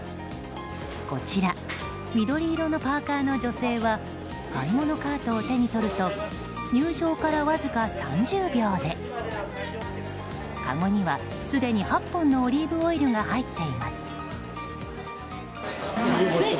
こちら、緑色のパーカの女性は買い物カートを手に取ると入場からわずか３０秒でかごには、すでに８本のオリーブオイルが入っています。